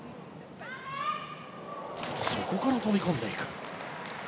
そこから飛び込んでいく。